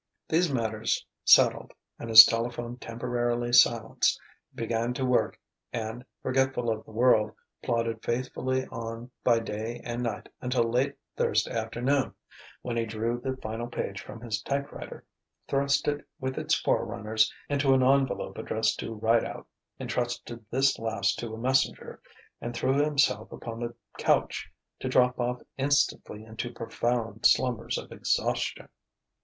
These matters settled, and his telephone temporarily silenced, he began work and, forgetful of the world, plodded faithfully on by day and night until late Thursday afternoon, when he drew the final page from his typewriter, thrust it with its forerunners into an envelope addressed to Rideout, entrusted this last to a messenger, and threw himself upon the couch to drop off instantly into profound slumbers of exhaustion.